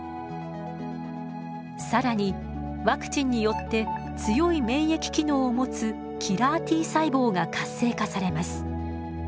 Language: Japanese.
更にワクチンによって強い免疫機能を持つキラーＴ細胞が活性化されます。